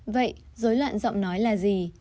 vậy dối loạn giọng nói là gì